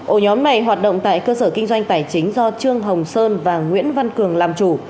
ổ nhóm này hoạt động tại cơ sở kinh doanh tài chính do trương hồng sơn và nguyễn văn cường làm chủ